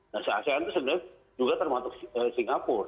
nah se asean itu sebenarnya juga termasuk singapura